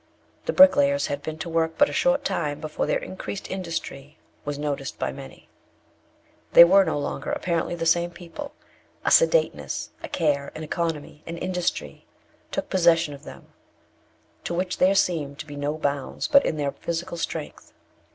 The bricklayers had been to work but a short time, before their increased industry was noticed by many. They were no longer apparently the same people. A sedateness, a care, an economy, an industry, took possession of them, to which there seemed to be no bounds but in their physical strength.